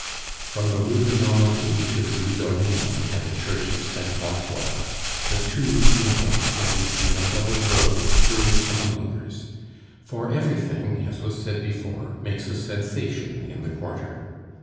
From the Rue de Normandie to the Rue d'Orleans and the Church of Saint Francois the two funerals went between a double row of curious onlookers for everything (as was said before) makes a sensation in the quarter.